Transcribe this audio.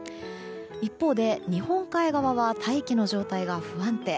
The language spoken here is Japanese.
一方で、日本海側は大気の状態が不安定。